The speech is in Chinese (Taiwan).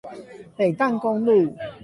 北淡公路